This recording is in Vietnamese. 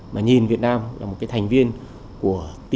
mà nhìn việt nam là một thành viên của tpp